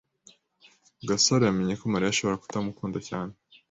Gasaro yamenye ko Mariya ashobora kutamukunda cyane.